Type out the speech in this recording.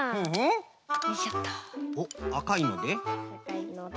おっあかいので？